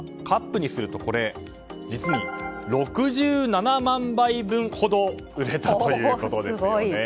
カップにすると実に６７万杯分ほど売れたということです。